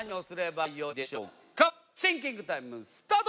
シンキングタイムスタート！